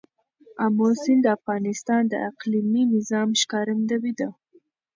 آمو سیند د افغانستان د اقلیمي نظام ښکارندوی ده.